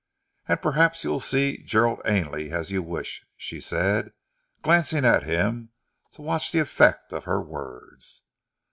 "And perhaps you will see Gerald Ainley, as you wish," she said, glancing at him to watch the effect of her words.